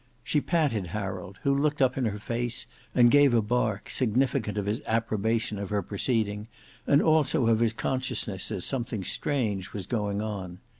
She patted Harold, who looked up in her face and gave a bark, significant of his approbation of her proceeding, and also of his consciousness that something strange was going on.